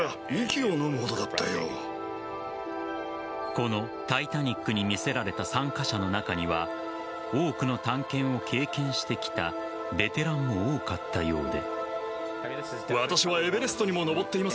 この「タイタニック」に魅せられた参加者の中には多くの探検を経験してきたベテランも多かったようで。